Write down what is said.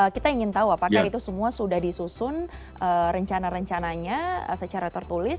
kita ingin tahu apakah itu semua sudah disusun rencana rencananya secara tertulis